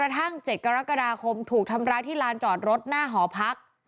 ผมถูกทำร้ายที่ลานจอดรถหน้าหอพัก